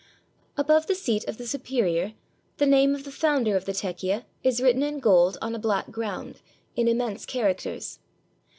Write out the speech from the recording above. Above the seat of the superior, the name of the founder of the tekie is written in gold on a black ground, in immense characters.